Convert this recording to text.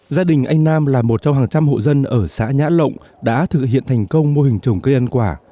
gia đình anh nam là một trong hàng trăm hộ dân ở xã nhã lộng đã thực hiện thành công mô hình trồng cây ăn quả